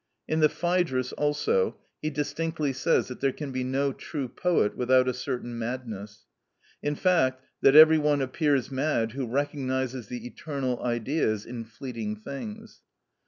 In the "Phædrus" also (p. 317), he distinctly says that there can be no true poet without a certain madness; in fact, (p. 327), that every one appears mad who recognises the eternal Ideas in fleeting things.